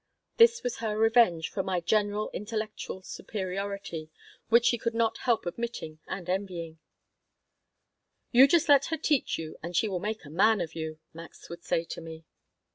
This was her revenge for my general intellectual superiority, which she could not help admitting and envying "You just let her teach you and she will make a man of you," Max would say to me.